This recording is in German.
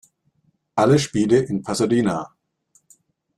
Alle Spiele in Pasadena.